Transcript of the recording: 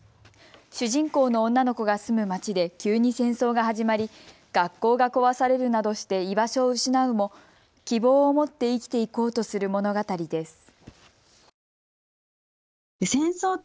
主人公の女の子が住む町で急に戦争が始まり学校が壊されるなどして居場所を失うも希望を持って生きていこうとする物語です。